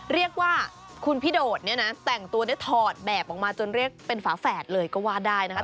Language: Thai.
เรียกว่าคุณพี่โดดเนี่ยนะแต่งตัวได้ถอดแบบออกมาจนเรียกเป็นฝาแฝดเลยก็ว่าได้นะคะ